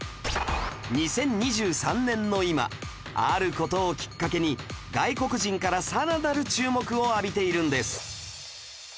２０２３年の今ある事をきっかけに外国人からさらなる注目を浴びているんです